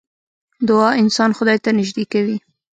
دعا انسان خدای ته نژدې کوي .